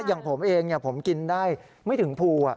อย่างผมเองเนี่ยผมกินได้ไม่ถึงภูอ่ะ